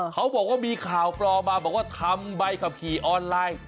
เขาบอกว่ามีข่าวปลอมมาบอกว่าทำใบขับขี่ออนไลน์